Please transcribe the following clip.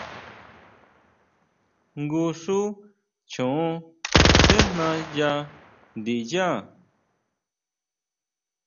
Jngu xú choon sejna yá ndiyá.